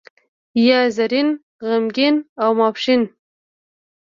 یا زرین، غمګین او ماپښین.